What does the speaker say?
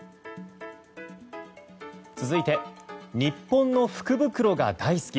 続いて日本の福袋が大好き。